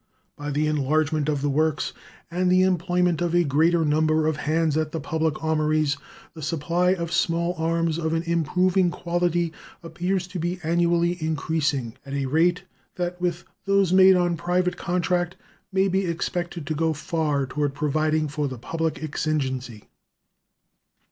By the enlargement of the works and the employment of a greater number of hands at the public armories the supply of small arms of an improving quality appears to be annually increasing at a rate that, with those made on private contract, may be expected to go far toward providing for the public exigency.